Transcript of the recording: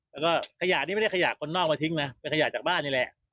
แล้วก็ขยะนี้ไม่ได้ขยะคนนอกมาทิ้งนะเป็นขยะจากบ้านนี่แหละ